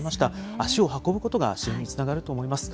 足を運ぶことが安心につながると思います。